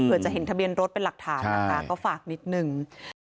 เพื่อจะเห็นทะเบียนรถเป็นหลักฐานนะคะก็ฝากนิดนึง